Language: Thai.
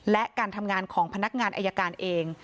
และการทำงานของพนักงานอายการเอง